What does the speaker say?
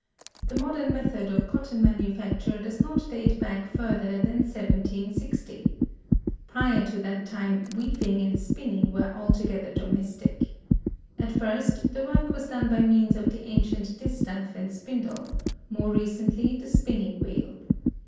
The modern method of cotton manufacture does not date back further than 1760. Prior to that time weaving and spinning were altogether domestic. At first the work was done by means of the ancient distaff and spindle, more recently the spinning wheel.